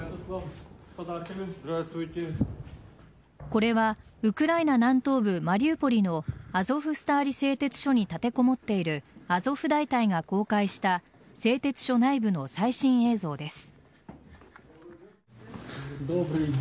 これはウクライナ南東部マリウポリのアゾフスターリ製鉄所に立てこもっているアゾフ大隊が公開した製鉄所内部の最新映像です。